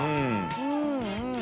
うん。